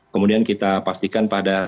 kemudian kita pastikan pada